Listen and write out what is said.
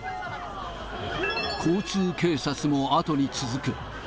交通警察も後に続く。